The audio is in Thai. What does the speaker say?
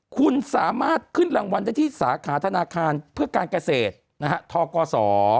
คุณสามารถขึ้นรางวัลได้ที่สาขาธนาคารเพื่อการเกษตรทกศ